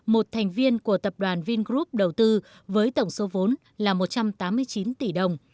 một thành viên của tập đoàn vingroup đầu tư với tổng số vốn là một trăm tám mươi chín tỷ đồng